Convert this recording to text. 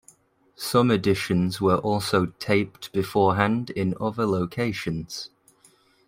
Some editions were also taped beforehand in other locations.